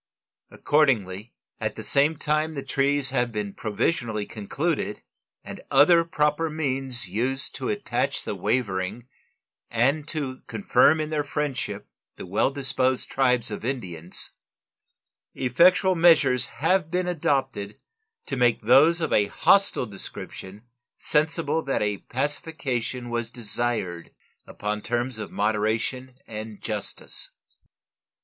Accordingly, at the same time the treaties have been provisionally concluded and other proper means used to attach the wavering and to confirm in their friendship the well disposed tribes of Indians, effectual measures have been adopted to make those of a hostile description sensible that a pacification was desired upon terms of moderation and justice.